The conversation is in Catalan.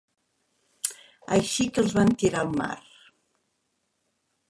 Així que els van tirar al mar.